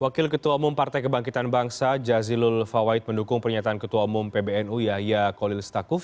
wakil ketua umum partai kebangkitan bangsa jazilul fawait mendukung pernyataan ketua umum pbnu yahya kolil stakuf